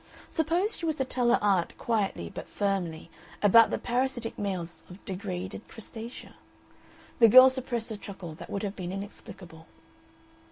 Suppose she was to tell her aunt quietly but firmly about the parasitic males of degraded crustacea. The girl suppressed a chuckle that would have been inexplicable.